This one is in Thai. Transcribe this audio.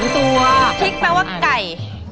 ชิคเป็นว่าไก่